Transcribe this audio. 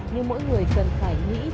nhưng mỗi người cần phải nghĩ chung